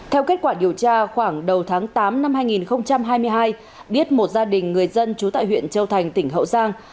theo kết quả điều tra khoảng đầu tháng tám năm hai nghìn hai mươi hai biết một gia đình người dân trú tại huyện châu thành tỉnh hậu giang